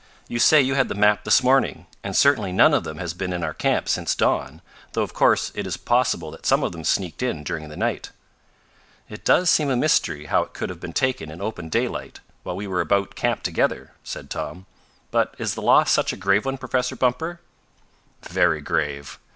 "You say you had the map this morning, and certainly none of them has been in our camp since dawn, though of course it is possible that some of them sneaked in during the night." "It does seem a mystery how it could have been taken in open daylight, while we were about camp together," said Tom. "But is the loss such a grave one, Professor Bumper?" "Very grave.